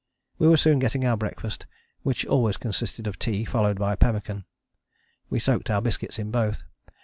We were soon getting our breakfast, which always consisted of tea, followed by pemmican. We soaked our biscuits in both.